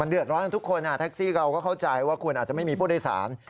เดือดร้อนกันทุกคนแท็กซี่เราก็เข้าใจว่าคุณอาจจะไม่มีผู้โดยสาร